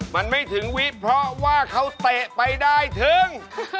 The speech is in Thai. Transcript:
มันไม่ถึงวิเพราะว่าเขาเตะไปได้ถึง